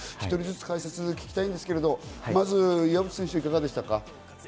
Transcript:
１人ずつ聞きたいんですけれども、まずは岩渕選手、いかがでしたか？